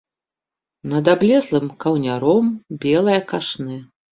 Над аблезлым каўняром белае кашнэ.